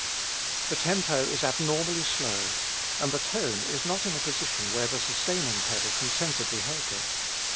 The tempo is abnormally slow, and the tone is not in a position where the sustaining pedal can sensibly help it.